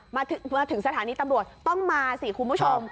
มาถึงสถานีตำรวจต้องมาสิคุณผู้ชม